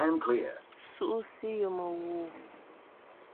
Sukh si ye mewur,